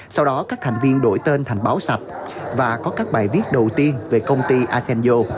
sau đó các thành viên đổi tên thành báo sạch và có các bài viết đầu tiên về công ty asenjo